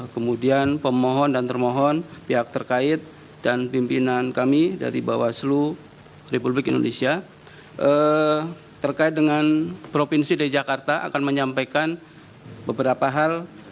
kemudian pemohon dan termohon pihak terkait dan pimpinan kami dari bawaslu republik indonesia terkait dengan provinsi dki jakarta akan menyampaikan beberapa hal